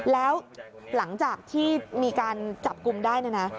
แล้วหลังจากที่มีการจับกุมได้นะ